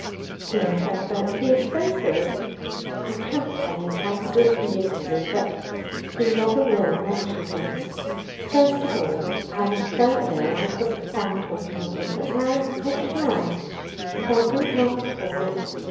"Dear Herbert, he is so good I can't tell you how good he is to me but he never will mention them. First of all I was so ill, I couldn't stand talking of them, but now I can, and I do long for it.